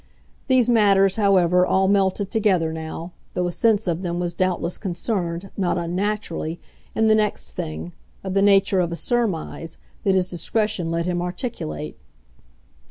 These matters, however, all melted together now, though a sense of them was doubtless concerned, not unnaturally, in the next thing, of the nature of a surmise, that his discretion let him articulate.